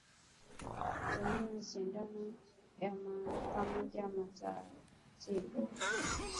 Kutumia sindano zaidi ya mara moja kwa matibabu